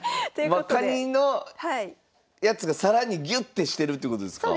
カニのやつが更にギュッてしてるってことですか？